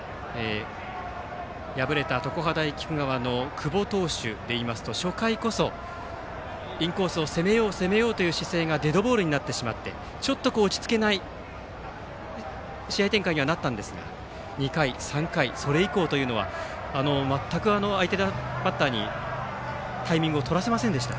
敗れた常葉大菊川の久保投手でいいますと初回こそインコースを攻めよう、攻めようという姿勢がデッドボールになってしまってちょっと落ち着けない試合展開にはなったんですが２回、３回それ以降というのは全く相手バッターにタイミングをとらせませんでした。